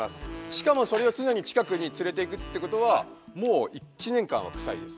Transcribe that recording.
しかもそれを常に近くに連れていくってことはもう１年間はクサいです。